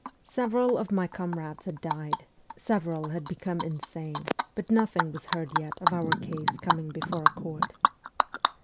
Several of my comrades had died, several had become insane, but nothing was heard yet of our case coming before a court.